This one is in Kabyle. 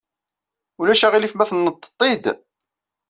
Ulac aɣilif ma tenneneḍ-t-id?